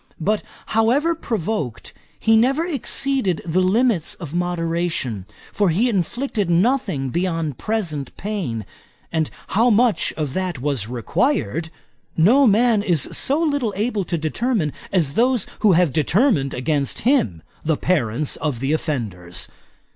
But, however provoked, he never exceeded the limits of moderation, for he inflicted nothing beyond present pain; and how much of that was required, no man is so little able to determine as those who have determined against him; the parents of the offenders.